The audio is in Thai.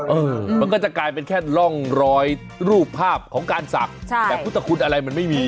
มันก็จะกลายเป็นแค่ร่องรอยรูปภาพของการศักดิ์แต่พุทธคุณอะไรมันไม่มี